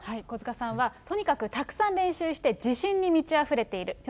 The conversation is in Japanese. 小塚さんは、とにかくたくさん練習して、自信に満ちあふれている。